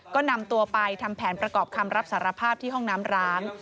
ก็นำตัวไปทำแผนประกอบคำรับสารภาพที่ห้องน้ำร้าง